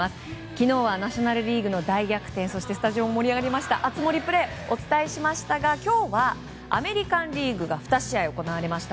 昨日はナショナル・リーグの大逆転そしてスタジオも盛り上がりました熱盛プレー、お伝えしましたが今日は、アメリカン・リーグが２試合行われました。